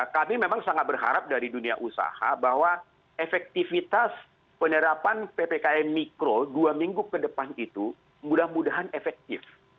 kami memang sangat berharap dari dunia usaha bahwa efektivitas penerapan ppkm mikro dua minggu ke depan itu mudah mudahan efektif